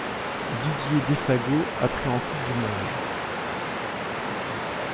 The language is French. Didier Défago a pris en Coupe du monde.